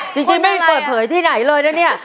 จริงไม่เปิดเผยที่ไหนเลยนะเนี่ย